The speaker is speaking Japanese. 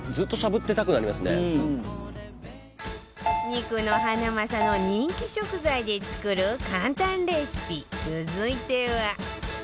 肉のハナマサの人気食材で作る簡単レシピ続いては